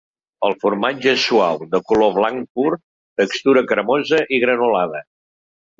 El formatge és suau, de color blanc pur, textura cremosa i granulada.